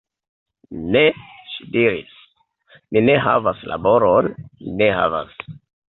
Ne, ŝi diris, ni ne havas laboron, ni ne havas!